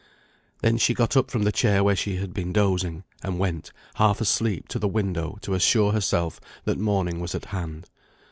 Then she got up from the chair where she had been dozing, and went, half asleep, to the window to assure herself that morning was at hand.